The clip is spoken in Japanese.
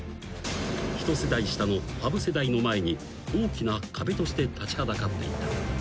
［一世代下の羽生世代の前に大きな壁として立ちはだかっていた］